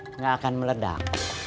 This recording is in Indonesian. tenang nggak akan meledak